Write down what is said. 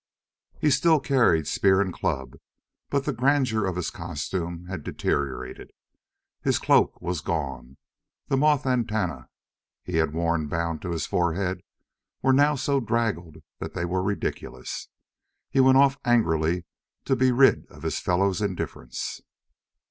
He still carried spear and club, but the grandeur of his costume had deteriorated. His cloak was gone. The moth antennae he had worn bound to his forehead were now so draggled that they were ridiculous. He went off angrily to be rid of his fellows' indifference.